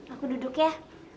aku duduk ya